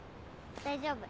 大丈夫。